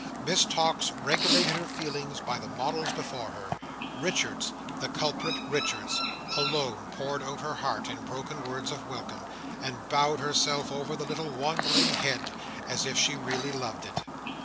Miss Tox regulated her feelings by the models before her. Richards, the culprit Richards, alone poured out her heart in broken words of welcome, and bowed herself over the little wandering head as if she really loved it.